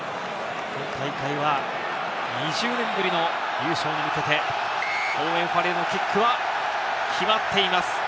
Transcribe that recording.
今大会は２０年ぶりの優勝に向けてオーウェン・ファレルのキックは決まっています。